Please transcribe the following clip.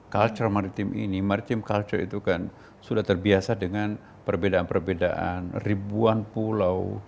culture maritim ini maritim culture itu kan sudah terbiasa dengan perbedaan perbedaan ribuan pulau